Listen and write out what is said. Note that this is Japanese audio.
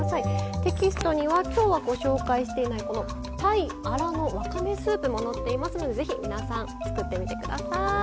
テキストには今日はご紹介していないこのたいアラのわかめスープも載っていますので是非皆さん作ってみてください。